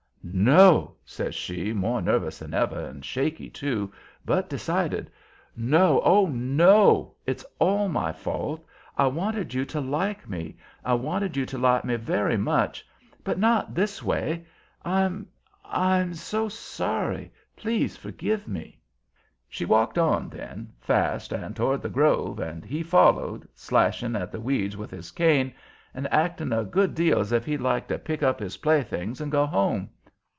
"No," says she, more nervous than ever, and shaky, too, but decided. "No! Oh, NO! It's all my fault. I wanted you to like me; I wanted you to like me very much. But not this way. I'm I'm so sorry. Please forgive me." She walked on then, fast, and toward the grove, and he followed, slashing at the weeds with his cane, and acting a good deal as if he'd like to pick up his playthings and go home.